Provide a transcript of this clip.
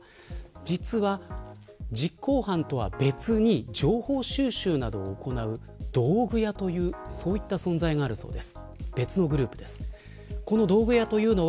実は、実行犯とは別に情報収集などを行う道具屋という存在があるそうです。